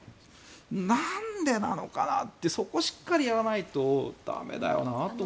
なんでなのかなってそこをしっかりやらないと駄目だよなと。